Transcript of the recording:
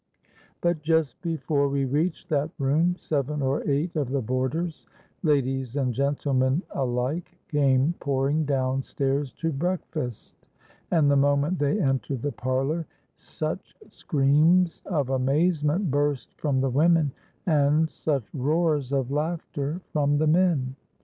But just before we reached that room, seven or eight of the boarders, ladies and gentlemen alike, came pouring down stairs to breakfast; and the moment they entered the parlour, such screams of amazement burst from the women, and such roars of laughter from the men.